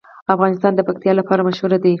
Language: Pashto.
افغانستان د پکتیا لپاره مشهور دی.